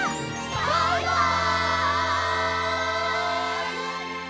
バイバイ！